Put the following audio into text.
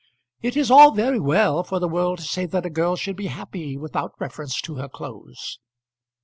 It is all very well for the world to say that a girl should be happy without reference to her clothes.